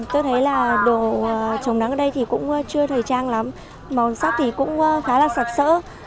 tôi thấy là đồ chống nắng ở đây thì cũng chưa thời trang lắm màu sắc thì cũng khá là sạc sỡ